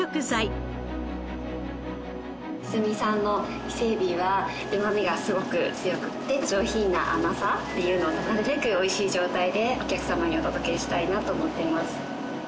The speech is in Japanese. いすみ産の伊勢えびはうまみがすごく強くて上品な甘さっていうのをなるべくおいしい状態でお客様にお届けしたいなと思っています。